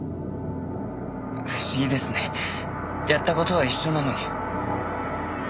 不思議ですねやった事は一緒なのに。